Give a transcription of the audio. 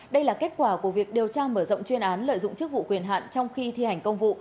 đây là kết quả của việc điều tra mở rộng chuyên án lợi dụng chức vụ quyền hạn trong khi thi hành công vụ